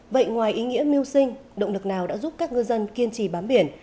vậy ngoài ý nghĩa mưu sinh động lực nào đã giúp các ngư dân kiên trì bám biển